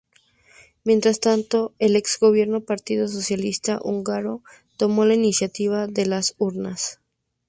Mientras tanto, el ex gobierno Partido Socialista Húngaro tomó la iniciativa en las urnas.